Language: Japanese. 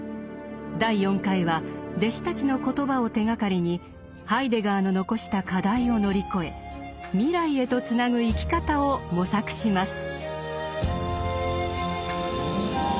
第４回は弟子たちの言葉を手がかりにハイデガーの残した課題を乗り越え未来へとつなぐ生き方を模索します。